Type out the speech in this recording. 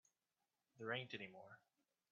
There ain't any more.